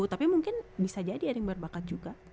tapi mungkin bisa jadi ada yang berbakat juga